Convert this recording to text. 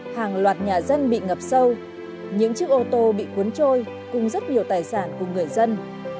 hàng loạt nhà dân bị ngập sâu những chiếc ô tô bị cuốn trôi cùng rất nhiều tài sản của người dân